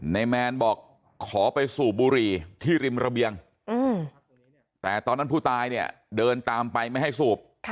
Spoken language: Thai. แมนบอกขอไปสูบบุหรี่ที่ริมระเบียงแต่ตอนนั้นผู้ตายเนี่ยเดินตามไปไม่ให้สูบ